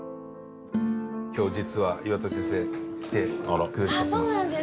今日実は岩田先生来てくれています。